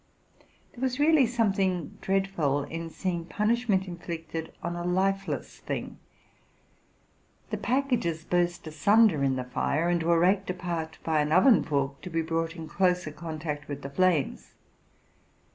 There was really some thing dreadful in seeing punishment inflicted on a lifeless thing. The packages burst asunder in the fire, and were raked apart by an oven fork, to be brought in closer contact with the flames.